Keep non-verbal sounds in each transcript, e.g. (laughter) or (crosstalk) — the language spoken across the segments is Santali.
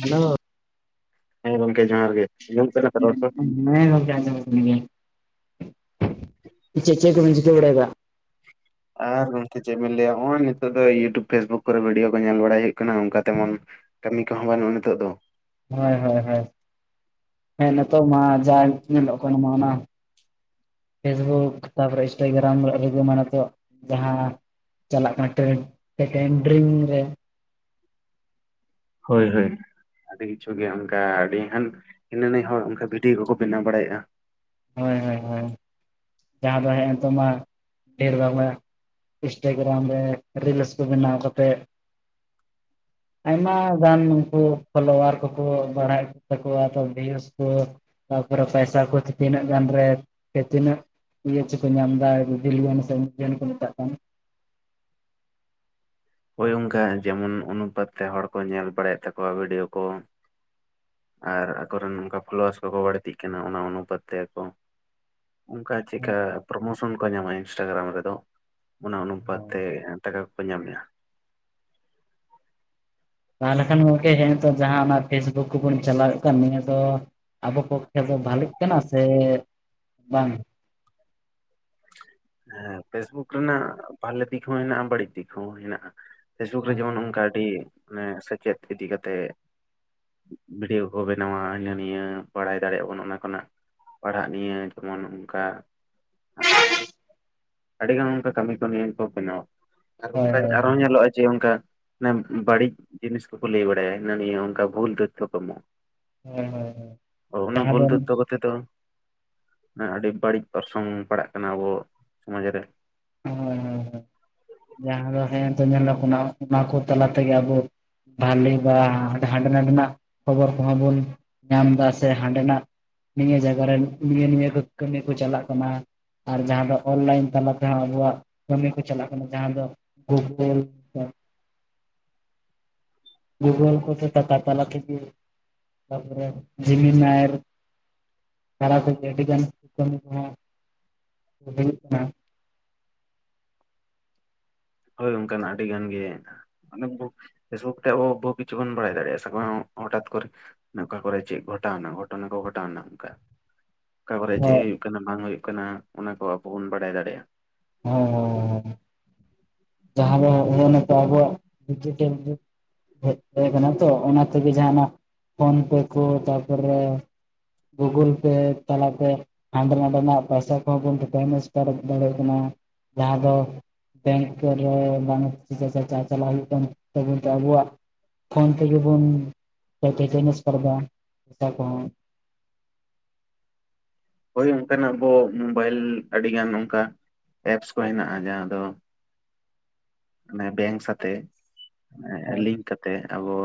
ᱦᱮᱞᱳ ᱦᱮᱸ ᱜᱚᱝᱠᱮ ᱡᱚᱦᱟᱨ ᱜᱮ᱾ ᱟᱸᱡᱚᱢᱚᱜ ᱠᱟᱱᱟ ᱛᱚ ᱨᱚᱲ ᱢᱮᱱ ᱠᱚ? ᱠᱷᱟᱱ ᱱᱮᱸ ᱜᱚᱢᱠᱮ ᱟᱸᱡᱚᱢᱚᱜ ᱠᱟᱱ ᱜᱮᱭᱟ, ᱪᱮ ᱪᱮᱫ ᱠᱚᱵᱮᱱ ᱪᱤᱠᱟ ᱵᱟᱲᱟᱭ ᱫᱟ? ᱟᱨ ᱱᱚᱝᱠᱮ ᱪᱮᱫ ᱵᱮᱱ ᱞᱟᱹᱭᱟ ᱱᱚᱜᱼᱚᱭ ᱱᱤᱛᱚᱜ ᱫᱚ ᱤᱭᱩᱴᱩᱵᱽ, ᱯᱷᱮᱥᱵᱩᱠ ᱠᱚᱨᱮ ᱵᱷᱤᱰᱭᱳ ᱠᱚ ᱧᱮᱞ ᱵᱟᱲᱟᱭ ᱦᱩᱭᱩᱜ ᱚᱱᱠᱟ ᱛᱮᱢᱚᱱ ᱠᱟᱹᱢᱤ ᱠᱚᱦᱚᱸ ᱵᱟᱹᱱᱩᱜᱼᱟ ᱱᱤᱛᱚᱜ ᱫᱚ। ᱦᱳᱭ ᱦᱳᱭ ᱦᱳᱭ। ᱦᱮᱸ ᱱᱤᱛᱳ ᱢᱟ ᱡᱟᱜᱮ ᱧᱮᱞᱚᱜ ᱠᱟᱱᱟ ᱚᱱᱟ ᱢᱟ ᱯᱷᱮᱥᱵᱩᱠ ᱛᱟᱯᱚᱨᱮ ᱤᱱᱥᱴᱟᱜᱨᱟᱢ ᱨᱮ (unintelligible) ᱢᱟᱱᱮ ᱱᱤᱛᱚᱜ ᱡᱟᱦᱟᱸ ᱪᱟᱞᱟᱜ ᱠᱟᱱᱟ ᱴᱨᱮᱱ ᱥᱮ ᱴᱮᱱᱰᱨᱤᱝ ᱨᱮ, ᱦᱳᱭ ᱦᱳᱭ। ᱟᱹᱰᱤ ᱠᱤᱪᱷᱩ ᱜᱮ ᱚᱱᱠᱟ ᱟᱹᱰᱤ ᱜᱟᱱ ᱦᱤᱱᱟᱹ ᱱᱤᱭᱟ ᱦᱚᱲ ᱚᱱᱠᱟ ᱵᱷᱤᱰᱭᱳ ᱠᱚᱠᱚ ᱵᱮᱱᱟᱣ ᱵᱟᱲᱟᱭᱮᱜᱼᱟ। ᱦᱳᱭ ᱦᱳᱭ ᱦᱳᱭ। ᱡᱟᱦᱟᱸ ᱫᱚ ᱦᱮᱸᱜᱼᱮ ᱱᱤᱛᱳᱜ ᱢᱟ ᱰᱷᱮᱨ ᱵᱟᱝ ᱢᱟ ᱤᱱᱥᱴᱟᱜᱨᱟᱢ ᱨᱮ ᱨᱤᱞᱥ ᱠᱚ ᱵᱮᱱᱟᱣ ᱠᱟᱛᱮᱫ (inaudible) ᱟᱭᱢᱟ ᱜᱟᱱ ᱩᱱᱠᱩ ᱯᱷᱚᱞᱳᱣᱟᱨ ᱠᱚᱠᱚ ᱵᱟᱲᱦᱟᱜ ᱛᱟᱠᱚᱣᱟ ᱵᱷᱤᱭᱩᱥ ᱠᱚ ᱛᱟᱯᱚᱨᱮ ᱯᱟᱭᱥᱟ ᱠᱚ ᱛᱤᱱᱟᱹᱜ ᱜᱟᱱ ᱨᱮ ᱥᱮ ᱛᱤᱱᱟᱹᱜ ᱤᱭᱟᱹᱪᱮ ᱠᱚ ᱧᱟᱢ ᱫᱟ ᱵᱤᱞᱤᱭᱟᱱ ᱥᱮ (unintelligible) ᱠᱚ ᱢᱮᱛᱟᱜ ᱠᱟᱱ? ᱦᱳᱭ ᱚᱱᱠᱟ ᱡᱮᱢᱚᱱ ᱚᱱᱩᱯᱟᱛ ᱛᱮ ᱦᱚᱲ ᱠᱚ ᱧᱮᱞ ᱵᱟᱲᱟᱭᱮᱫ ᱛᱟᱠᱚᱣᱟ ᱵᱷᱤᱰᱤᱭᱳ ᱠᱚ, ᱟᱨ ᱟᱠᱚᱨᱮᱱ ᱚᱱᱠᱟ ᱯᱷᱳᱞᱳᱣᱟᱨᱥ ᱠᱚᱠᱚ ᱵᱟᱹᱲᱛᱤᱜ ᱠᱟᱱᱟ ᱚᱱᱟ ᱚᱱᱩᱯᱟᱛ ᱛᱮ ᱟᱠᱚ ᱚᱱᱠᱟ ᱪᱮᱫᱠᱟ ᱦᱮᱸ ᱯᱨᱚᱢᱚᱥᱚᱱ ᱠᱚ ᱧᱟᱢᱟ ᱤᱱᱥᱴᱟᱜᱨᱟᱢ ᱨᱮᱫᱚ ᱚᱱᱟ ᱚᱱᱩᱯᱟᱛ ᱦᱮᱸ ᱛᱮ ᱴᱟᱠᱟ ᱠᱚᱠᱚ ᱧᱟᱢᱮᱜ-ᱟ। ᱛᱟᱦᱚᱞᱮ ᱠᱷᱟᱱ ᱜᱚᱝᱠᱮ ᱡᱟᱦᱟ ᱱᱤᱛᱚᱜ ᱡᱟᱦᱟ ᱚᱱᱟ ᱯᱷᱮᱥᱵᱩᱠ ᱠᱚᱵᱚᱱ ᱪᱟᱞᱟᱣᱮᱜ ᱠᱟᱱ ᱱᱤᱭᱟᱹ ᱫᱚ ᱟᱵᱚ ᱯᱚᱠᱠᱷᱮ ᱫᱚ ᱵᱷᱟᱞᱮᱜ ᱠᱟᱱᱟ ᱥᱮ ᱵᱟᱝ? ᱦᱮᱸ ᱯᱷᱮᱥᱵᱩᱠ ᱨᱮᱱᱟᱜ ᱵᱷᱟᱞᱮ ᱫᱤᱠ ᱦᱚᱸ ᱦᱮᱱᱟᱜ-ᱟ, ᱵᱟᱹᱲᱤᱡ ᱫᱤᱠ ᱦᱚᱸ ᱦᱮᱱᱟᱜ-ᱟ। ᱯᱷᱮᱥᱵᱩᱠ ᱨᱮ ᱦᱮᱸ ᱡᱮᱢᱚᱱ ᱚᱱᱠᱟ ᱟᱹᱰᱤ ᱢᱟᱱᱮ ᱢᱟᱱᱮ ᱥᱮᱪᱮᱫ ᱤᱫᱤ ᱠᱟᱛᱮᱜ ᱵᱷᱤᱰᱤᱭᱳ ᱠᱚᱠᱚ ᱵᱮᱱᱟᱣᱟ ᱦᱤᱱᱟᱹ ᱱᱤᱭᱟᱹ ᱵᱟᱲᱟᱭ ᱫᱟᱲᱮᱭᱟᱜ ᱟᱵᱚᱱ ᱚᱱᱟ ᱠᱷᱚᱱᱟᱜ। ᱯᱟᱲᱦᱟᱜ ᱱᱤᱭᱟᱹ ᱡᱮᱢᱚᱱ ᱚᱱᱠᱟ ᱟᱹᱰᱤᱜᱟᱱ ᱚᱱᱠᱟ ᱠᱟᱹᱢᱤ ᱠᱚ ᱱᱤᱭᱟᱹ ᱜᱮ ᱠᱚ ᱵᱮᱱᱟᱣᱟ ᱠᱚ ᱟᱨ ᱦᱳᱭ ᱦᱳᱭ ᱚᱱᱠᱟ ᱦᱳᱭ ᱟᱨᱦᱚᱸ ᱧᱮᱞᱚᱜᱼᱟ ᱡᱮ ᱚᱱᱠᱟ ᱢᱟᱱᱮ ᱵᱟᱲᱤᱡ ᱡᱤᱱᱤᱥ ᱠᱚᱠᱚ ᱞᱟᱹᱭ ᱵᱟᱲᱟᱭᱟ ᱦᱤᱱᱟᱹ ᱱᱤᱭᱟᱹ ᱚᱱᱠᱟ ᱵᱷᱩᱞ ᱛᱚᱛᱛᱷᱚ ᱠᱚ ᱮᱢᱚᱜᱼᱟ। ᱦᱳᱭ ᱦᱳᱭ ᱦᱳᱭ ᱚ ᱚᱱᱟ ᱡᱟᱦᱟᱸ ᱫᱚ ᱵᱷᱩᱞ ᱛᱚᱛᱛᱷᱚ ᱦᱳᱭ ᱠᱚᱛᱮ ᱫᱚ ᱟᱹᱰᱤ ᱵᱟᱹᱲᱤᱡ ᱚᱨᱥᱚᱝ ᱯᱟᱲᱟᱜ ᱠᱟᱱᱟ ᱟᱵᱚ ᱥᱚᱢᱟᱡᱽ ᱨᱮ। ᱦᱳᱭ ᱦᱳᱭ ᱡᱟᱦᱟᱸ ᱫᱚ ᱦᱮᱸᱛᱚ ᱧᱮᱞᱚᱜ ᱠᱟᱱᱟ ᱚᱱᱟ ᱠᱚ ᱛᱟᱞᱟ ᱛᱮᱜᱮ ᱟᱵᱚ ᱵᱷᱟᱞᱤ ᱵᱟ ᱦᱟᱸ ᱦᱟᱸᱰᱮ ᱱᱟᱰᱮᱱᱟᱜ ᱠᱷᱚᱵᱚᱨ ᱠᱚᱦᱚᱸ ᱵᱚᱱ ᱧᱟᱢ ᱮᱫᱟ ᱥᱮ ᱦᱟᱸᱰᱮᱱᱟᱜ ᱱᱤᱭᱟᱹ ᱡᱟᱭᱜᱟ ᱨᱮᱱ, ᱱᱤᱭᱟᱹ ᱱᱤᱭᱟᱹ ᱠᱚ ᱠᱟᱹᱢᱤ ᱠᱚ ᱪᱟᱞᱟᱜ ᱠᱟᱱᱟ। ᱟᱨ ᱡᱟᱦᱟᱸ ᱫᱚ ᱚᱱᱞᱟᱭᱤᱱ ᱛᱟᱞᱟ ᱛᱮᱦᱚᱸ ᱟᱵᱚᱣᱟᱜ ᱠᱟᱹᱢᱤ ᱠᱚ ᱪᱟᱞᱟᱜ ᱠᱟᱱᱟ, ᱡᱟᱦᱟᱸ ᱫᱚ ᱜᱩᱜᱩᱞ ᱜᱩᱜᱚᱞ ᱠᱚᱛᱮ ᱠᱟᱛᱷᱟ ᱛᱟᱞᱟ ᱛᱮᱜᱮ ᱛᱟᱯᱚᱨᱮ ᱞᱤᱢᱤᱱᱟᱭ। ᱛᱟᱞᱟ ᱛᱮᱜᱮ ᱟᱹᱰᱤᱜᱟᱱ ᱠᱟᱹᱢᱤ ᱠᱚᱦᱚᱸ ᱦᱩᱭᱩᱜ ᱠᱟᱱᱟ। ᱦᱳᱭ ᱚᱱᱠᱟᱱᱟᱜ ᱟᱹᱰᱤ ᱜᱟᱱ ᱜᱮ᱾ ᱟᱞᱮ ᱵᱩ ᱯᱷᱮᱥᱵᱩᱠ ᱛᱮ ᱵᱚᱦᱩ ᱠᱤᱪᱷᱩ ᱜᱟᱱ ᱵᱟᱲᱟᱭ ᱫᱟᱲᱮᱭᱟᱜᱼᱟ ᱥᱮ ᱵᱟᱝ ᱦᱚᱴᱟᱛ ᱠᱚᱨᱮ᱾ ᱮ ᱚᱠᱟ ᱠᱚᱨᱮ ᱪᱮᱜ ᱜᱷᱚᱴᱟᱣᱱᱟ ᱜᱷᱚᱴᱚᱱᱟ ᱠᱚ ᱜᱷᱚᱴᱟᱣᱱᱟ ᱚᱱᱠᱟ᱾ ᱚᱠᱟ ᱠᱚᱨᱮ ᱪᱮᱜ ᱦᱚᱸ ᱦᱩᱭᱩᱜ ᱠᱟᱱᱟ ᱵᱟᱝ ᱦᱩᱭᱩᱜ ᱠᱟᱱᱟ ᱚᱱᱟ ᱠᱚ ᱟᱵᱚ ᱵᱚᱱ ᱵᱟᱱᱟᱭ ᱫᱟᱲᱮᱭᱟᱜ-ᱟ। ᱚᱻ ᱡᱟᱦᱟᱸ ᱫᱚ ᱦᱩᱭᱩᱜᱼᱟ ᱱᱤᱛᱚᱜ ᱟᱵᱚᱣᱟᱜ ᱰᱤᱡᱤᱴᱮᱞ ᱡᱩᱜ। ᱮᱛ ᱛᱟᱦᱮᱸ ᱠᱟᱱᱟ ᱛᱚ ᱚᱱᱟ ᱛᱮᱜᱮ ᱡᱟᱦᱟ ᱱᱟᱜ ᱯᱷᱚᱱ ᱯᱮ ᱠᱚ ᱛᱟᱯᱚᱨᱮ ᱜᱩᱜᱩᱞ ᱯᱮ ᱛᱟᱞᱟᱛᱮ ᱦᱟᱸᱰᱮ ᱱᱟᱰᱮᱱᱟᱜ ᱯᱚᱭᱥᱟ ᱠᱚᱦᱚᱸ ᱵᱚᱱ (unintelligible) ᱫᱟᱲᱮᱜ ᱫᱟᱲᱮᱭᱟᱜ ᱠᱟᱱᱟ। ᱡᱟᱦᱟᱸ ᱫᱚ ᱵᱮᱝᱠ ᱨᱮ ᱵᱟᱝ ᱪᱟ ᱪᱟ ᱪᱟ ᱪᱟᱞᱟᱜ ᱦᱩᱭᱩᱜ ᱠᱟᱱᱟ। ᱱᱤᱛᱚᱜ ᱟᱵᱚᱣᱟᱜ ᱯᱷᱳᱱ ᱛᱮᱜᱮ ᱵᱚᱱ ᱴᱮ ᱴᱮ ᱴᱮᱱᱮᱥᱯᱟᱨ ᱫᱟ ᱯᱚᱭᱥᱟ ᱠᱚ ᱦᱚᱸ। ᱦᱳᱭ ᱚᱱᱠᱟᱱᱟᱜ ᱟᱵᱚ ᱢᱳᱵᱟᱭᱤᱞ ᱟᱹᱰᱤᱜᱟᱱ ᱚᱝᱠᱟ ᱮᱯᱥ ᱠᱚ ᱦᱮᱱᱟᱜ-ᱟ, ᱡᱟᱦᱟᱸ ᱫᱚ ᱢᱟᱱᱮ ᱵᱮᱝᱠ ᱥᱟᱛᱮ ᱞᱤᱝᱠ ᱠᱟᱛᱮ ᱟᱵᱚ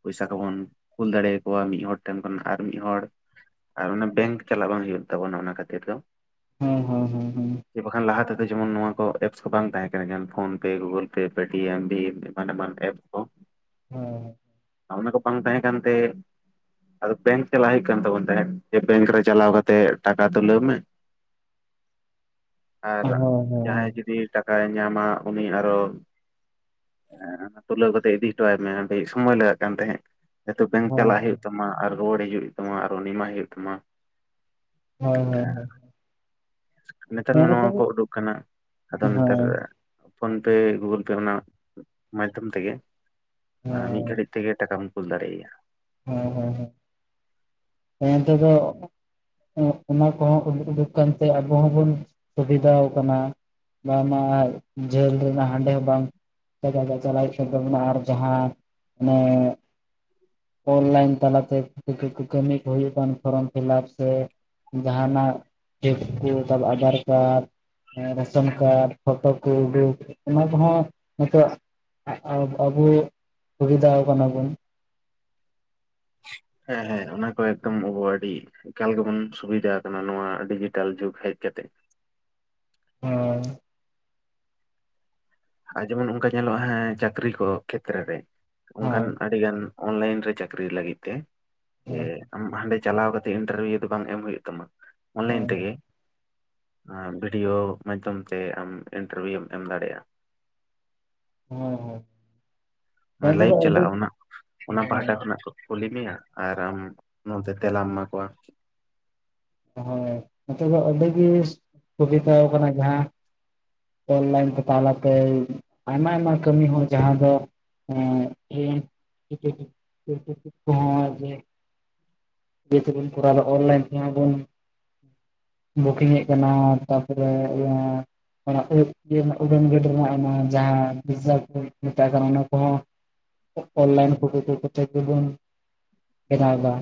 ᱯᱩᱭᱥᱟ ᱠᱚᱵᱚᱱ ᱠᱩᱞ ᱫᱟᱲᱮ ᱟᱠᱚᱣᱟ ᱢᱤᱫ ᱦᱚᱲ ᱴᱷᱮᱱ ᱠᱷᱚᱱ ᱟᱨ ᱢᱤᱫ ᱦᱚᱲ᱾ ᱟᱨ ᱚᱱᱟ ᱵᱮᱝᱠ ᱪᱟᱞᱟᱜ ᱵᱟᱝ ᱦᱩᱭᱩᱜ ᱛᱟᱵᱚᱱᱟ ᱚᱱᱟ ᱠᱷᱟᱹᱛᱤᱨ ᱫᱚ᱾ ᱦᱳᱭ ᱦᱳᱭ ᱦᱳᱭ ᱦᱳᱭ᱾ ᱡᱮ ᱵᱟᱠᱷᱟᱱ ᱞᱟᱦᱟ ᱛᱮᱫᱚ ᱡᱮᱢᱚᱱ ᱱᱚᱣᱟ ᱠᱚ ᱮᱯᱥ ᱠᱚ ᱵᱟᱝ ᱛᱟᱦᱮᱸ ᱠᱟᱱᱟ, ᱡᱮᱢᱚᱱ ᱯᱷᱳᱱ ᱯᱮ, ᱜᱩᱜᱚᱞ ᱯᱮ, ᱯᱮᱴᱤᱮᱢ ᱵᱷᱤᱢ, ᱮᱢᱟᱱ ᱮᱢᱟᱱ ᱮᱯ ᱠᱚ᱾ ᱦᱳᱭ᱾ ᱚᱱᱟ ᱠᱚ ᱵᱟᱝ ᱛᱟᱦᱮᱸ ᱠᱟᱱᱛᱮ ᱟᱫᱚ ᱵᱮᱝᱠ ᱪᱟᱞᱟᱣ ᱦᱩᱭᱩᱜ ᱠᱟᱱ ᱛᱟᱵᱚᱱ ᱛᱟᱦᱮᱸᱫ, ᱡᱮ ᱵᱮᱝᱠ ᱨᱮ ᱪᱟᱞᱟᱣ ᱠᱟᱛᱮᱫ ᱴᱟᱠᱟ ᱛᱩᱞᱟᱹᱣ ᱢᱮ᱾ ᱟᱨ ᱦᱳᱭ ᱦᱳᱭ ᱡᱟᱦᱟᱸᱭ ᱡᱩᱫᱤ ᱴᱟᱠᱟᱭ ᱧᱟᱢᱟ ᱩᱱᱤ ᱟᱨᱚ ᱦᱮᱸ, ᱛᱩᱞᱟᱹᱣ ᱠᱟᱛᱮ ᱤᱫᱤ ᱦᱚᱴᱚᱣᱟᱭ ᱢᱮ ᱟᱹᱰᱤ ᱥᱚᱢᱚᱭ ᱞᱟᱜᱟᱜ ᱠᱟᱱ ᱛᱟᱦᱮᱸᱫ᱾ ᱱᱤᱛᱚᱜ ᱵᱮᱝᱠ ᱦᱳᱭ ᱪᱟᱞᱟᱜ ᱦᱩᱭᱩᱜ ᱛᱟᱢᱟ, ᱟᱨ ᱨᱩᱣᱟᱹᱲ ᱦᱤᱡᱩᱜ ᱦᱩᱭᱩᱜ ᱛᱟᱢᱟ, ᱟᱨᱚ ᱩᱱᱤ ᱮᱢᱟᱭ ᱦᱩᱭᱩᱜ ᱛᱟᱢᱟ᱾ ᱦᱳᱭ ᱦᱳᱭ ᱦᱳᱭ᱾ ᱦᱳᱭ ᱱᱮᱛᱟᱨ ᱦᱮᱸ ᱢᱟ ᱱᱚᱣᱟ ᱱᱤᱛᱚᱜ ᱠᱚ ᱩᱰᱩᱠ ᱠᱟᱱᱟ, ᱟᱫᱚ ᱦᱳᱭ ᱱᱮᱛᱟᱨ ᱦᱳᱭ ᱯᱷᱳᱱ ᱯᱮ ᱜᱩᱜᱩᱞ ᱯᱮ ᱚᱱᱟ ᱢᱟᱫᱽᱫᱷᱚᱢ ᱛᱮᱜᱮ ᱟᱸ, ᱢᱤᱫ ᱜᱷᱟᱹᱲᱤᱡ ᱛᱮᱜᱮ ᱴᱟᱠᱟᱢ ᱠᱩᱞ ᱫᱟᱲᱮᱭᱟᱭᱟ᱾ ᱦᱮᱸ ᱦᱮᱸ ᱦᱮᱸ᱾ ᱚᱱᱛᱮ ᱫᱚ ᱚᱱᱟ ᱠᱚᱦᱚᱸ ᱩᱰ-ᱩᱰᱩᱠ ᱠᱟᱱᱛᱮ ᱟᱵᱚ ᱦᱚᱸᱵᱚᱱ ᱥᱩᱵᱤᱫᱷᱟᱣ ᱠᱟᱱᱟ᱾ ᱵᱟᱝᱢᱟ ᱡᱷᱟᱹᱞ ᱨᱮᱱᱟᱜ ᱦᱟᱸᱰᱮ ᱦᱚᱸ ᱵᱟᱝ (unintelligible) ᱪᱟᱞᱟᱜ ᱦᱩᱭᱩᱜ ᱠᱟᱱ ᱛᱟᱵᱚᱱᱟ ᱟᱨ ᱡᱟᱦᱟᱸ ᱚᱱᱮ ᱚᱱᱞᱟᱭᱤᱱ ᱛᱟᱞᱟᱛᱮ ᱠᱟᱹ-ᱠᱟᱹ-ᱠᱟᱹᱢᱤ ᱠᱚ ᱦᱩᱭᱩᱜ ᱠᱟᱱ ᱯᱷᱚᱨᱚᱢ ᱯᱷᱤᱞᱟᱯ ᱥᱮ ᱡᱟᱦᱟᱱᱟᱜ ᱪᱮᱴ ᱯᱷᱮᱞ ᱛᱟᱰ ᱟᱫᱷᱟᱨ ᱠᱟᱨᱰ᱾ ᱮᱸ ᱨᱮᱥᱚᱱ ᱠᱟᱨᱰ, ᱯᱷᱚᱴᱳ ᱠᱚ ᱩᱰᱩᱠ ᱚᱱᱟ ᱠᱚᱦᱚᱸ ᱱᱤᱛᱚᱜ ᱟ-ᱟ-ᱟᱵᱚ ᱥᱩᱵᱤᱫᱟᱣ ᱠᱟᱱᱟ ᱵᱚᱱ᱾ ᱦᱮᱸ ᱦᱮᱸ ᱚᱱᱟ ᱠᱚ ᱮᱠᱫᱚᱢ ᱟᱵᱚ ᱟᱹᱰᱤ ᱮᱠᱟᱞ ᱜᱮᱵᱚᱱ ᱥᱩᱵᱤᱫᱷᱟᱣ ᱟᱠᱟᱱᱟ ᱱᱚᱣᱟ ᱰᱤᱡᱤᱴᱟᱞ ᱡᱩᱜᱽ ᱦᱮᱡ ᱠᱟᱛᱮᱜ᱾ ᱦᱳᱭ᱾ ᱟᱨ ᱡᱮᱢᱚᱱ ᱚᱱᱠᱟ ᱧᱮᱞᱚᱜ-ᱟ ᱦᱮᱸ ᱪᱟᱹᱠᱨᱤ ᱠᱚ ᱠᱷᱮᱛᱨᱮ ᱨᱮ ᱚᱱᱠᱟᱱ ᱦᱳᱭ ᱟᱡ ᱟᱹᱰᱤ ᱜᱟᱱ ᱚᱱᱞᱟᱭᱤᱱ ᱨᱮ ᱪᱟᱹᱠᱨᱤ ᱞᱟᱹᱜᱤᱫ ᱛᱮ ᱮ ᱟᱢ ᱦᱟᱸᱰᱮ ᱪᱟᱞᱟᱣ ᱠᱟᱛᱮᱜ ᱤᱱᱴᱟᱨᱵᱷᱤᱭᱩ ᱫᱚ ᱵᱟᱝ ᱮᱢ ᱦᱩᱭᱩᱜ ᱛᱟᱢᱟ᱾ ᱚᱱᱞᱟᱭᱤᱱ ᱦᱳᱭ ᱛᱮᱜᱮ ᱟᱸ ᱵᱷᱤᱰᱭᱳ ᱢᱟᱫᱽᱫᱷᱚᱢ ᱛᱮ ᱟᱢ ᱤᱱᱴᱟᱨᱵᱷᱤᱭᱩᱢ ᱮᱢ ᱫᱟᱲᱮᱜ-ᱟ᱾ ᱦᱳᱭ ᱦᱳᱭ᱾ ᱦᱳᱭ ᱢᱟᱱᱮ ᱱᱤᱛᱚᱜ ᱫᱚ ᱞᱟᱭᱤᱵᱷ ᱟᱹᱰᱤ ᱪᱟᱞᱟᱜ-ᱟ ᱚᱱᱟ ᱚᱱᱟ ᱦᱳᱭ ᱯᱟᱦᱟᱴᱟ ᱠᱷᱚᱱᱟᱜ ᱠᱚ ᱠᱩᱞᱤ ᱢᱮᱭᱟ ᱟᱨ ᱟᱢ ᱱᱚᱱᱛᱮ ᱛᱮᱞᱟᱢ ᱮᱢᱟ ᱠᱚᱣᱟ᱾ ᱦᱳᱭ, ᱱᱤᱛᱚᱜ ᱫᱚ ᱟᱹᱰᱤ ᱜᱮ ᱥᱩᱵᱤᱫᱷᱟᱣ ᱠᱟᱱᱟ ᱡᱟᱦᱟᱸ ᱚᱱᱞᱟᱭᱤᱱ ᱛᱟ-ᱛᱟᱞᱟᱛᱮ ᱟᱭᱢᱟ ᱟᱭᱢᱟ ᱠᱟᱹᱢᱤ ᱦᱚᱸ ᱡᱟᱦᱟᱸ ᱫᱚ (unintelligible) ᱡᱮᱦᱮᱛᱩ ᱵᱚᱱ ᱠᱚᱨᱟᱣ ᱫᱟ ᱚᱱᱞᱟᱭᱤᱱ ᱛᱮᱦᱚᱸ ᱵᱚᱱ (inaudible) ᱵᱩᱠᱤᱝ-ᱮᱜ ᱠᱟᱱᱟ ᱛᱟᱯᱚᱨᱮ ᱤᱭᱟ ᱚᱱᱟ ᱩᱻᱩ-ᱩᱰᱟᱹᱱ ᱜᱹᱰᱤ ᱨᱮᱱᱟᱜ ᱚᱱᱟ ᱡᱟᱦᱟᱸ ᱵᱷᱤᱡᱟ ᱠᱚᱠᱚ ᱢᱟᱛᱟᱜ ᱠᱟᱱᱟ ᱚᱱᱟ ᱠᱚᱦᱚᱸ᱾ ᱚ-ᱚᱱᱞᱟᱭᱤᱱ ᱯᱷᱳᱴᱳᱛᱳᱴᱳ ᱛᱮ ᱜᱮᱵᱚᱱ ᱵᱮᱱᱟᱣᱫᱟ᱾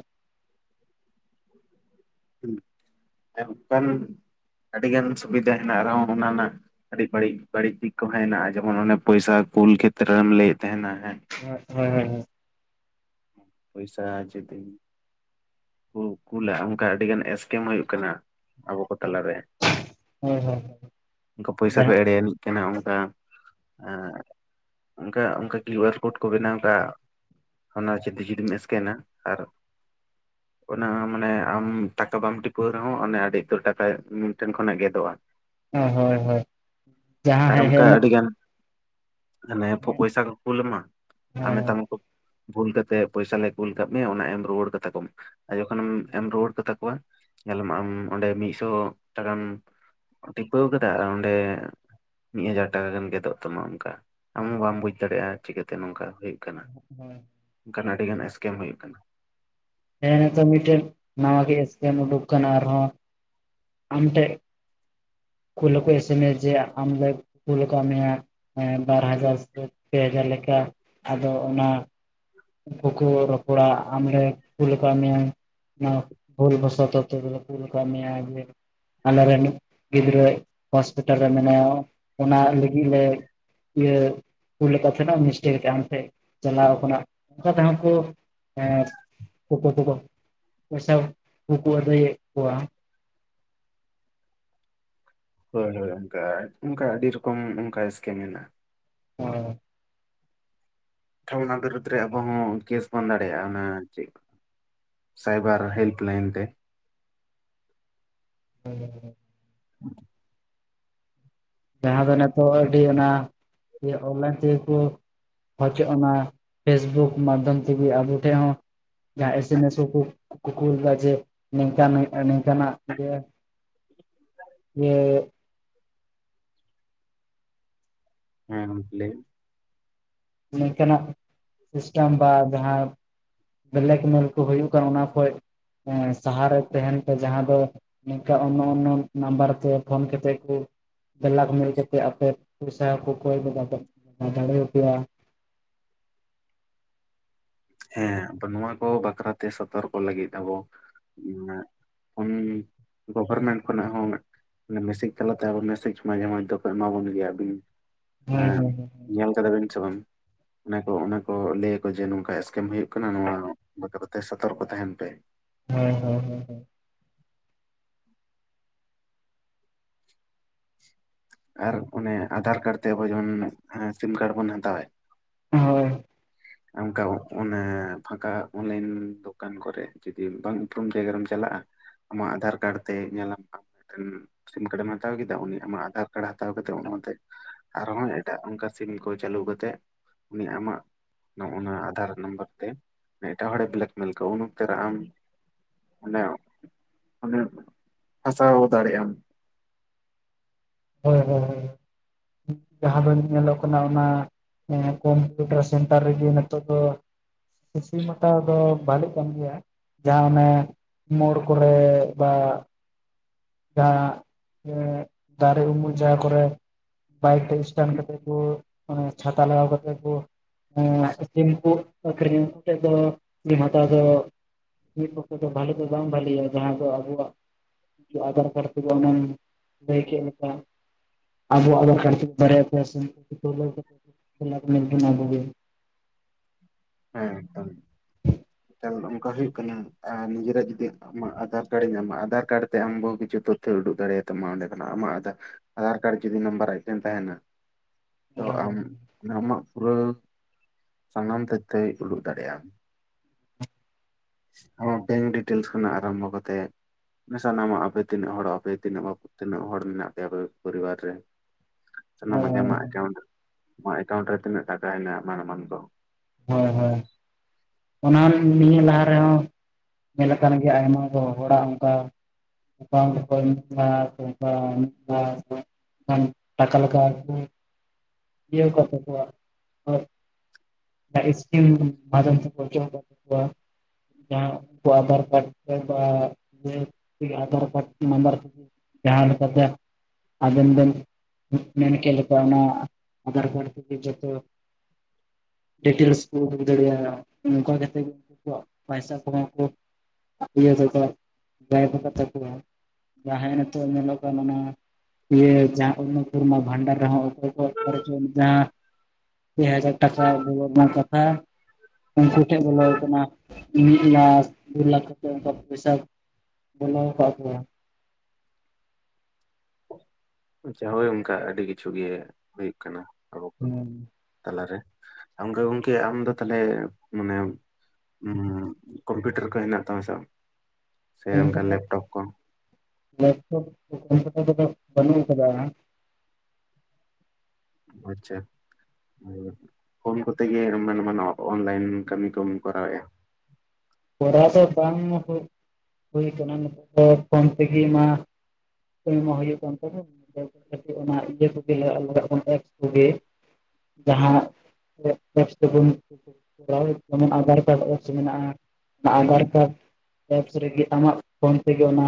ᱦᱩᱸ, ᱮᱢ ᱠᱟᱱ ᱟᱹᱰᱤᱜᱟᱱ ᱥᱩᱵᱤᱫᱟ ᱦᱮᱱᱟᱜ ᱨᱮᱦᱚᱸ ᱚᱱᱟ ᱨᱮᱱᱟᱜ ᱟᱹᱰᱤ ᱵᱟᱹᱲᱤᱡ ᱵᱟᱹᱲᱤᱡ ᱫᱤᱠ ᱠᱚᱦᱚᱸ ᱦᱮᱱᱟᱜ-ᱟ᱾ ᱡᱮᱢᱚᱱ ᱚᱱᱮ ᱯᱚᱭᱥᱟ ᱠᱩᱞ ᱠᱷᱮᱛᱨᱮ ᱨᱮᱢ ᱞᱟᱹᱭᱮᱫ ᱛᱟᱦᱮᱸᱱᱟ ᱦᱮᱸ᱾ ᱦᱳᱡ, ᱦᱳᱭ ᱦᱳᱭ ᱦᱳᱭ᱾ ᱯᱚᱭᱥᱟ ᱡᱩᱫᱤᱢ ᱠᱩ-ᱠᱩᱞᱟ ᱚᱱᱠᱟ ᱟᱹᱰᱤ ᱜᱟᱱ ᱮᱥᱠᱮᱢ ᱦᱩᱭᱩᱜ ᱠᱟᱱᱟ ᱟᱵᱚ ᱠᱚ ᱛᱟᱞᱟ ᱨᱮ᱾ ᱦᱳᱭ ᱦᱳᱭ᱾ ᱠᱟ ᱯᱚᱭᱥᱟ ᱠᱚ ᱡᱟᱦᱟᱸ ᱮᱲᱮᱭᱟᱱᱤᱡ ᱠᱟᱱᱟ᱾ ᱟᱧᱚᱱᱠᱟ ᱚᱱᱠᱟ ᱚᱱᱠᱟ ᱠᱤᱭᱩ ᱟᱨ ᱠᱳᱰ ᱠᱚ ᱵᱮᱱᱟᱣ ᱠᱟᱜ-ᱟ᱾ ᱚᱱᱟ ᱡᱩᱫᱤ ᱡᱩᱫᱤᱢ ᱮᱠᱮᱱᱟ ᱟᱨ ᱚᱱᱟ ᱟᱢ ᱢᱟᱱᱮ ᱟᱢ ᱴᱟᱠᱟ ᱵᱟᱢ ᱴᱤᱯᱟᱹᱣ ᱨᱮᱦᱚᱸ ᱚᱱᱮ ᱟᱹᱰᱤ ᱩᱛᱟᱹᱨ ᱴᱟᱠᱟ ᱢᱤᱫᱴᱷᱮᱱ ᱠᱷᱚᱱᱟᱜ ᱜᱮᱫᱚᱜᱼᱟ᱾ ᱦᱮᱸ ᱦᱳᱭ ᱦᱳᱭ᱾ ᱡᱟᱦᱟᱸ ᱟᱨ ᱦᱮᱡ ᱚᱱᱠᱟ ᱟᱹᱰᱤ ᱦᱮᱡ ᱜᱟᱱ ᱢᱟᱱᱮ ᱯᱚ-ᱯᱚᱭᱥᱟ ᱠᱚ ᱠᱩᱞ ᱟᱢᱟ ᱟᱨ ᱦᱳᱭ ᱢᱮᱛᱟᱢᱟᱠᱚ ᱵᱷᱩᱞ ᱠᱟᱛᱮᱫ ᱯᱚᱭᱥᱟ ᱞᱮ ᱠᱩᱞ ᱠᱟᱫ ᱢᱮᱭᱟ ᱚᱱᱟ ᱮᱢ ᱨᱩᱣᱟᱹᱲ ᱠᱟᱛᱟ ᱠᱚᱢ᱾ ᱟᱨ ᱡᱚᱠᱷᱚᱱᱮᱢ ᱮᱢ ᱨᱩᱣᱟᱹᱲ ᱠᱟᱛᱟ ᱠᱚᱣᱟ ᱧᱮᱞᱟᱢ ᱟᱢ ᱚᱸᱰᱮ ᱢᱤᱫᱥᱚ ᱴᱟᱠᱟᱢ ᱴᱤᱯᱟᱣ ᱠᱟᱫᱟ ᱟᱨ ᱟᱰᱮᱸ ᱢᱤᱫ ᱦᱟᱡᱟᱨ ᱴᱟᱠᱟ ᱜᱟᱱ ᱜᱮᱫᱚᱜ ᱛᱟᱢᱟ ᱚᱱᱠᱟ᱾ ᱟᱢ ᱦᱚᱸᱵᱟᱢ ᱵᱩᱡᱽ ᱫᱟᱲᱮᱭᱟᱜᱼᱟ ᱪᱤᱠᱠᱟᱛᱮ ᱱᱚᱝᱠᱟ ᱦᱩᱭᱩᱜ ᱠᱟᱱᱟ᱾ (unintelligible) ᱠᱟᱱ ᱟᱹᱰᱤ ᱜᱟᱱ ᱮᱥᱠᱮᱢ ᱦᱩᱭᱩᱜ ᱠᱟᱱᱟ᱾ ᱦᱮᱸ ᱱᱤᱛᱚᱜ ᱢᱤᱫᱴᱮᱱ ᱱᱟᱣᱟ ᱜᱮ ᱮᱥᱠᱮᱢ ᱩᱰᱩᱠ ᱟᱠᱟᱱᱟ ᱟᱨᱦᱚᱸ, ᱟᱢ ᱴᱷᱮᱡ ᱠᱩᱞ ᱠᱚ ᱮᱥᱮᱥ ᱡᱮ ᱟᱢ ᱞᱮ ᱠᱩᱞ ᱟᱠᱟ ᱢᱮᱭᱟ, ᱵᱟᱨ ᱦᱟᱡᱟᱨ ᱥᱮ ᱯᱮ ᱦᱟᱡᱟᱨ ᱞᱮᱠᱟ, ᱟᱫᱚ ᱚᱱᱟ ᱩᱱᱠᱩ ᱠᱚ ᱨᱚᱯᱚᱲᱟ ᱟᱢᱨᱮ ᱠᱩᱞ ᱞᱮᱠᱟ ᱢᱮᱭᱟ, ᱯᱷᱩᱞ ᱵᱚᱥᱛ ᱞᱮ ᱯᱷᱩᱞ ᱠᱟ ᱢᱤᱭᱟ, ᱜᱤᱫᱽᱨᱟᱹ ᱦᱚᱥᱯᱤᱴᱟᱞ ᱨᱮ ᱢᱮᱱᱟᱭᱟ ᱚᱱᱟ ᱞᱟᱹᱜᱤᱫ ᱞᱮ, ᱤᱭᱟᱹ ᱠᱩᱞ ᱞᱮᱠᱟ ᱛᱟᱦᱮᱱᱟ ᱢᱤᱥᱴᱮᱠ ᱟᱢ ᱴᱷᱮᱱ ᱪᱟᱞᱟᱣ ᱟᱠᱟᱱᱟ᱾ ᱚᱱᱠᱟ ᱛᱮᱦᱚᱸ ᱠᱚ ᱮ ᱠᱚᱠᱚ ᱯᱚᱥᱟ ᱠᱚᱠᱚ ᱟᱹᱫᱩᱭᱮᱫ ᱠᱚᱣᱟ᱾ ᱦᱳᱭ ᱦᱳᱭ ᱚᱱᱠᱟ ᱚᱱᱠᱟ ᱟᱹᱰᱤ ᱨᱚᱠᱚᱢ ᱚᱱᱠᱟ ᱥᱠᱤᱢ ᱢᱮᱱᱟᱜᱼᱟ ᱢᱮᱱᱟᱜᱼᱟ᱾ ᱦᱳᱭ ᱷᱟ ᱵᱤᱨᱩᱫ ᱨᱮ ᱟᱵᱚ ᱦᱚᱸ ᱠᱮᱥ ᱵᱚᱱ ᱫᱟᱲᱮᱭᱟᱜᱼᱟ ᱚᱱᱟ ᱪᱮ, ᱥᱟᱭᱵᱟᱨ ᱦᱮᱞᱯ ᱞᱟᱭᱤᱱ ᱛᱮ ᱦᱮᱸᱻ ᱦ (inaudible) ᱡᱟᱦᱟᱸ ᱫᱚ ᱱᱤᱛᱚᱜ ᱟᱹᱰᱤ ᱚᱱᱟ ᱚᱱᱞᱟᱭᱤᱱ ᱛᱤ, ᱦᱚᱪᱚᱜ ᱚᱱᱟ ᱯᱷᱮᱥᱵᱩᱠ ᱢᱟᱫᱽᱫᱷᱚᱢ ᱛᱮᱜᱮ ᱟᱵᱚ ᱴᱷᱮᱱ ᱦᱚᱸ ᱡᱟᱦᱟᱸ ᱮᱥᱢᱮᱥ ᱠᱚᱠᱚ ᱠᱩᱞ ᱮᱟ ᱡᱮ ᱱᱤᱝᱠᱟ ᱱᱚᱝᱠᱟ ᱱᱤᱝ ᱡᱟᱦᱱᱟᱜ ᱡᱮ ᱤᱭᱟᱹ ᱦᱮᱸ ᱜᱚᱝᱠᱮ ᱞᱟᱹᱭ ᱢᱮ ᱱᱝᱠᱟᱱᱟᱜ ᱥᱤᱥᱴᱮᱢ ᱵᱟ ᱡᱟᱦᱟᱸ ᱵᱞᱮᱠ ᱢᱮᱞ ᱠᱚ ᱦᱩᱭᱩᱜ ᱠᱟᱱᱟ ᱚᱱᱟ ᱠᱷᱚᱡ ᱥᱟᱦᱟᱨᱮ ᱛᱟᱦᱮᱱ ᱯᱮ ᱡᱟᱦᱟᱸ ᱫᱚ ᱱᱤᱝᱠᱟ ᱚᱱᱱᱚ ᱚᱱᱱᱚ ᱱᱟᱢᱵᱟᱨ ᱛᱮ ᱯᱷᱳᱱ ᱛᱮᱫ ᱠᱩ ᱵᱮᱞᱮᱠ ᱢᱮᱞ ᱠᱟᱛᱮ ᱟᱯᱮ ᱯᱚᱭᱥᱟ ᱦᱚᱸᱠᱩ ᱠᱚᱭ ᱫᱟᱲᱮᱭᱟᱯᱮᱭᱟ, ᱦᱮᱸ ᱟᱫ ᱱᱚᱣᱟ ᱠᱚ ᱵᱟᱠᱷᱨᱟᱛᱮ ᱥᱚᱛᱚᱨᱠᱚ ᱞᱟᱹᱜᱤᱫ ᱟᱵᱚ ᱜᱚᱵᱷᱚᱨᱢᱮᱱᱴ ᱠᱷᱚᱱᱚᱱᱟᱜ ᱦᱚᱸ ᱢᱮᱥᱡᱽ ᱛᱟᱞᱟᱛᱮ ᱟᱵ ᱢᱮᱥᱮᱡᱽ ᱢᱟᱡᱮ ᱢᱟᱡᱮ ᱫᱚ ᱮᱢᱢᱟ ᱵᱚᱱ ᱜᱮᱭᱟ ᱡᱤ ᱦᱳᱭ ᱦᱳᱭ ᱦᱳᱭ ᱧᱮᱞ ᱠᱟᱫᱟ ᱵᱮᱤᱱ ᱥᱮ ᱵᱟᱝ, ᱚᱱᱟ ᱠᱚ ᱚᱱᱟ ᱠᱚ ᱞᱟᱹᱭᱟᱠᱚ ᱡᱮ ᱱᱚᱝᱠᱟ ᱦᱩᱭᱩᱜ ᱠᱟᱱᱟ ᱱᱚᱣᱟ ᱵᱟᱠᱷᱚᱨᱟ ᱛᱮ ᱥᱚᱛᱚᱨᱠᱚ ᱛᱟᱦᱮᱱ ᱯᱮ, ᱦᱮᱸ ᱦᱮᱸ ᱦᱮᱸ ᱦᱮᱸ ᱟᱨ ᱚᱱᱮ ᱟᱫᱷᱟᱨ ᱠᱟᱨᱰ ᱛᱮ ᱟᱵᱚ ᱡᱮᱢᱚᱱ ᱥᱤᱢ ᱠᱟᱨᱰ ᱵᱚᱱ ᱦᱟᱛᱟᱣᱮᱫ, ᱦᱳᱭ ᱚᱱᱠᱟ ᱚᱱ ᱯᱷᱟᱠᱟ ᱚᱱᱞᱟᱭᱤᱱ ᱫᱚᱠᱟᱱ ᱠᱚᱨᱮ ᱡᱩᱫᱤ ᱵᱟᱝ ᱩᱯᱨᱩᱢ ᱡᱟᱭᱜᱟ ᱨᱮᱢ ᱪᱟᱞᱟᱜᱼᱟ ᱟᱢᱟᱜ ᱟᱫᱷᱟᱨ ᱠᱟᱨᱰ ᱛᱮ ᱧᱮᱞᱟᱢ ᱥᱤᱢ ᱠᱟᱨᱰ ᱮᱢ ᱦᱟᱛᱟᱣ ᱠᱮᱫᱟ ᱩᱱᱤ ᱟᱫᱷᱟᱨ ᱠᱟᱨᱰ ᱦᱟᱛᱟᱣ ᱠᱟᱛᱮ ᱚᱱᱟᱛᱮ, ᱟᱨᱦᱚᱸ ᱮᱴᱟᱜ ᱚᱱᱠᱟ ᱥᱤᱢ ᱠᱚ ᱪᱟᱹᱞᱩ ᱠᱟᱛᱮᱫ ᱩᱱᱤ ᱟᱢᱟᱜ ᱱᱚᱜ ᱚᱱᱟ ᱟᱫᱷᱟᱨ ᱱᱟᱢᱵᱟᱨ ᱛᱮ, ᱮᱴᱟᱜ ᱦᱚᱲᱮ ᱵᱞᱮᱠᱢᱮᱞ ᱟᱠᱟᱜᱣᱟ ᱩᱱ ᱚᱠᱛ ᱨᱮ ᱟᱢ ᱢᱟᱱᱮ, ᱢᱟᱱᱮ, ᱯᱷᱟᱥᱟᱣ ᱫᱟᱲᱮᱭᱟᱜ ᱟᱢ᱾ ᱦᱳᱭ ᱦᱳᱭ ᱦᱳᱭ, ᱡᱟᱦᱟᱸ ᱫᱚ ᱧᱮᱞᱚᱜ ᱠᱟᱱᱟ ᱚᱱᱟ ᱠᱚᱢᱯᱩᱴᱟᱨ ᱥᱮᱱᱴᱟᱨ ᱨᱮᱜᱮ ᱱᱤᱛᱚᱜ ᱫᱚ ᱥᱤᱢ ᱦᱟᱛᱟᱣ ᱫᱚ ᱵᱷᱟᱞᱮ ᱠᱟᱱ ᱜᱮᱭᱟ, ᱡᱟᱦᱟᱸ ᱚᱱᱮ ᱢᱳᱲ ᱠᱚᱨᱮ ᱵᱟ, ᱡᱟᱦᱟᱸ ᱤᱭᱟᱹ ᱫᱟᱨᱮ ᱩᱢᱩᱞ ᱡᱟᱦᱟᱸ ᱠᱚᱨᱮ, ᱵᱟᱭᱤᱠ ᱨᱮ ᱥᱴᱮᱱᱴ ᱠᱟᱛᱮᱜ ᱠᱚ ᱚᱱᱮ ᱪᱷᱟᱛᱟ ᱞᱟᱜᱟᱣ ᱠᱟᱛᱮᱜ ᱠᱚ, ᱥᱤᱢ ᱠᱩ ᱟᱹᱠᱷᱨᱤᱧ ᱚᱰᱮᱫᱚ ᱥᱤᱢ ᱦᱟᱛᱟᱣ ᱫᱚ ᱢᱤᱫ ᱯᱚᱠᱠᱷᱮ ᱫᱚ ᱵᱷᱟᱞᱮ ᱫᱚ ᱵᱟᱝ ᱵᱷᱟᱞᱮᱭᱟ ᱡᱟᱦᱟᱸ ᱫᱚ ᱟᱵᱚᱣᱟᱜ ᱟᱸᱫᱷᱟᱨ (unintelligible) ᱞᱟᱹᱭ ᱠᱮᱜ ᱞᱮᱠᱟ ᱟᱵᱚᱣᱟᱜ ᱵᱚᱱ (inaudible) ᱦᱮᱸ ᱦᱮᱸ᱾ ᱮ ᱚᱱᱠᱟ ᱦᱩᱭᱩᱜ ᱠᱟᱱᱟ ᱟᱨ ᱱᱤᱡᱮᱨᱟᱜ ᱡᱩᱫᱤ ᱟᱢᱟᱜ ᱟᱫᱷᱟᱨ ᱠᱟᱨᱰ ᱮ ᱧᱟᱢᱟ ᱟᱫᱷᱟᱨ ᱠᱟᱨᱰ ᱛᱮ ᱟᱢ ᱵᱚᱦᱩ ᱠᱤᱪᱷᱩ ᱛᱚ ᱛᱷᱚᱭ ᱩᱰᱩᱠ ᱫᱟᱲᱮᱭᱟᱛᱟᱢᱟ ᱚᱸᱰᱮ ᱠᱷᱚᱱᱟᱜ ᱟᱢᱟᱜ ᱟᱫᱷᱟ ᱟᱫᱷᱟᱨ ᱠᱟᱨᱰ ᱡᱩᱫᱤ ᱱᱟᱢᱵᱟᱨ ᱟᱡ ᱴᱷᱮᱱ ᱛᱟᱦᱮᱱᱟ ᱛᱚ ᱟᱢ ᱟᱢᱟᱜ ᱯᱩᱨᱟᱹ ᱥᱟᱱᱟᱢ ᱛᱚᱛᱷᱚᱭ ᱩᱰᱩᱜ ᱫᱟᱲᱮᱭᱟᱜ-ᱟ᱾ ᱟᱢᱟᱜ ᱵᱮᱝᱠ ᱰᱤᱴᱮᱞᱥ ᱠᱷᱚᱱᱟᱜ ᱟᱨᱟᱢᱵᱷᱚ ᱠᱟᱛᱮᱫ ᱢᱟᱱᱮ ᱥᱟᱱᱟᱢᱟᱜ ᱟᱯᱮ ᱛᱤᱱᱟᱹᱜ ᱦᱚᱲᱚᱜ ᱟᱯᱮ ᱛᱤᱱᱟᱹᱜ ᱵᱟ ᱛᱤᱱᱟᱹᱜ ᱦᱚᱲ ᱢᱮᱱᱟᱜ ᱯᱮᱭᱟ ᱟᱯᱮ ᱫᱚ ᱯᱚᱨᱤᱵᱟᱨ ᱨᱮ᱾ ᱦᱳᱭ ᱥᱟᱱᱟᱢᱟᱜ ᱜᱮ ᱟᱢᱟᱜ ᱮᱠᱟᱩᱱᱴ ᱟᱢᱟᱜ ᱮᱠᱟᱣᱩᱱᱴ ᱨᱮ ᱛᱤᱱᱟᱹᱜ ᱴᱟᱠᱟ ᱦᱮᱱᱟᱜᱟ-ᱟ ᱮᱢᱟᱱ ᱮᱢᱟᱱ ᱠᱚ᱾ ᱦᱳᱭ ᱦᱳᱭ᱾ ᱚᱱᱟ ᱱᱤᱭᱟᱹ ᱞᱟᱦᱟ ᱨᱮᱦᱚᱸ, ᱧᱮᱞ ᱟᱠᱟᱱ ᱜᱮᱭᱟ ᱟᱭᱢᱟ ᱫᱚ ᱦᱚᱲᱟᱜ ᱚᱱᱠᱟ (unintelligible) ᱠᱷᱚᱱ ᱴᱟᱠᱟ ᱞᱮᱠᱟ ᱠᱚ ᱤᱭᱟᱹ (inaudible) (unintelligible) ᱠᱚᱣᱟ ᱡᱟᱦᱟᱸ ᱩᱱᱠᱩ ᱟᱫᱷᱟᱨ ᱠᱟᱨᱰ (inaudible) ᱟᱫᱷᱟᱨ ᱠᱟᱨᱰ (inaudible) ᱡᱟᱦᱟᱸ ᱞᱮᱠᱟᱛᱮ ᱟᱵᱮᱱ ᱵᱮᱱ ᱢᱮᱱ ᱠᱮᱜ ᱞᱮᱠᱟ ᱚᱱᱟ ᱟᱫᱷᱟᱨ ᱠᱟᱨᱰ ᱛᱮ ᱜᱮ ᱡᱚᱛᱚ ᱰᱤᱴᱮᱞᱥ ᱠᱚ ᱩᱰᱩᱠ ᱫᱟᱲᱮᱭᱟᱜᱼᱟ ᱱᱚᱝᱠᱟ ᱠᱟᱛᱮ ᱜᱮ ᱩᱱᱠᱩ ᱠᱚᱣᱟᱜ ᱯᱚᱭᱥᱟ ᱠᱚᱦᱚᱸ ᱠᱚ ᱤᱭᱟᱹ ᱛᱟᱠᱚᱣᱟ, ᱜᱟᱭᱮᱵ ᱠᱟᱛᱟ ᱠᱚᱣᱟ᱾ ᱡᱟᱦᱟᱸᱭ ᱱᱤᱛᱚᱜ ᱧᱮᱞᱚᱜ ᱠᱟᱱ ᱚᱱᱟ ᱤᱭᱟᱹ ᱡᱟᱦᱟᱸ ᱚᱱᱱᱚᱯᱩᱱᱱᱚ ᱵᱷᱟᱸᱰᱟᱨ ᱨᱮᱦᱚᱸ ᱚᱠᱚᱭ ᱠᱚ ᱚᱠᱟᱨᱮ ᱪᱚᱝ ᱡᱟᱦᱟᱸ ᱯᱮ ᱦᱟᱡᱟᱨ ᱴᱟᱠᱟ ᱵᱚᱞᱚᱜ ᱨᱮᱱᱟᱜ ᱠᱟᱛᱷᱟ ᱩᱱᱠᱩ ᱴᱷᱮᱡ ᱵᱚᱞᱚ ᱠᱟᱱᱟ ᱢᱤᱫ ᱞᱟᱠᱷ ᱫᱩ ᱞᱟᱠᱷ ᱠᱟᱛᱮ ᱚᱱᱠᱟ ᱯᱚᱭᱥᱟ ᱵᱚᱞᱚ ᱠᱟᱜ ᱠᱚᱣᱟ᱾ ᱟᱪᱪᱷᱟ ᱦᱳᱭ ᱚᱱᱠᱟ ᱟᱹᱰᱤ ᱠᱤᱪᱷᱩ ᱜᱮ ᱦᱳᱭᱳᱜ ᱠᱟᱱᱟ ᱟᱵᱚ ᱠᱚ ᱦᱩᱸ᱾ ᱛᱟᱞᱟᱨᱮ, ᱟᱢᱜᱮ ᱜᱚᱝᱠᱮ ᱟᱢ ᱫᱚ ᱛᱟᱞᱦᱮ ᱢᱟᱱᱮ ᱩᱸ ᱠᱚᱢᱯᱤᱭᱩᱴᱟᱨ ᱠᱚ ᱦᱮᱱᱟᱜ ᱛᱟᱢᱟ ᱥᱮ ᱵᱟᱝ? ᱥᱮ ᱚᱱᱠᱟ ᱠᱚᱢᱯᱩᱴᱚᱨ ᱞᱮᱯᱴᱚᱯ ᱠᱚ ᱞᱮᱯᱴᱚᱯ ᱠᱚᱢᱯᱩᱴᱚᱨ ᱠᱚᱫᱚ ᱵᱟᱹᱱᱩᱜ ᱠᱟᱫᱟ᱾ ᱟᱪᱪᱷᱟ᱾ ᱯᱷᱳᱱ ᱠᱚᱛᱮ ᱜᱮ ᱢᱮᱱ ᱜᱟᱱᱚᱜ-ᱟ ᱚᱱᱞᱟᱭᱤᱱ ᱠᱟᱹᱢᱤ ᱠᱚᱢ ᱠᱚᱨᱟᱣᱮᱜᱼᱟ᱾ ᱠᱚᱨᱟᱣ ᱫᱚ ᱵᱟᱝ ᱦᱩᱭ ᱦᱩᱭ ᱠᱟᱱᱟ ᱱᱤᱛᱚᱜ ᱫᱚ ᱯᱷᱳᱱ ᱛᱮᱜᱮ ᱢᱟ ᱠᱟᱹᱢᱤ ᱢᱟ ᱦᱩᱭᱩᱜ ᱠᱟᱱ ᱛᱟᱦᱮᱱᱟ (inaudible) ᱚᱱᱟ ᱤᱭᱟᱹ ᱠᱚᱜᱮᱞᱮ (inaudible) ᱡᱟᱦᱟᱸ ᱮᱯᱥ ᱛᱮᱵᱚᱱ ᱠᱚᱨᱟᱣᱮᱫ ᱡᱮᱢᱚᱱ ᱟᱫᱷᱟᱨ ᱠᱟᱨᱰ ᱮᱯᱥ ᱢᱮᱱᱟᱜᱼᱟ, ᱚᱱᱟ ᱟᱫᱷᱟᱨ ᱠᱟᱨᱰ ᱮᱯᱥ ᱨᱮᱜᱮ ᱟᱢᱟᱜ ᱯᱷᱳᱱ ᱛᱮᱜᱮ ᱚᱱᱟ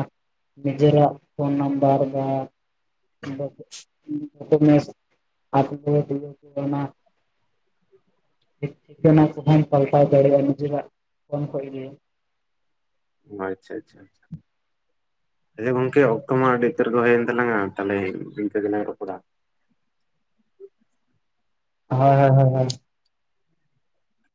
ᱱᱤᱡᱮᱨᱟᱜ ᱯᱷᱳᱱ ᱱᱟᱢᱵᱟᱨ ᱵᱟ (inaudible) (inaudible) ᱴᱷᱤ ᱴᱷᱤᱠᱟᱱᱟ ᱠᱚᱦᱚᱸᱚᱢ ᱯᱟᱞᱴᱟᱣ ᱫᱟᱲᱮᱭᱟᱜᱼᱟ ᱱᱤᱡᱮᱨᱟᱜ᱾ ᱯᱷᱳᱱ ᱠᱷᱚᱡ ᱜᱮ᱾ ᱟᱪᱪᱷᱟ ᱟᱪᱪᱷᱟ ᱟᱪᱪᱷᱟ᱾ ᱟᱪᱪᱷᱟ ᱜᱚᱝᱠᱮ ᱚᱠᱛᱚ ᱢᱟ ᱟᱹᱰᱤ ᱩᱛᱟᱹᱨ ᱜᱮ ᱦᱩᱭᱮᱱ ᱛᱟᱞᱟᱝᱟ ᱛᱟᱞᱦᱮ ᱤᱱᱠᱟᱹ ᱜᱮᱞᱟᱝ ᱨᱚᱯᱚᱲᱟ᱾ ᱦᱚᱭ ᱦᱚᱭ ᱦᱚᱭ ᱦᱚᱭ᱾